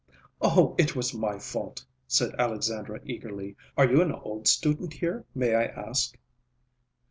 "Oh, it was my fault!" said Alexandra eagerly. "Are you an old student here, may I ask?"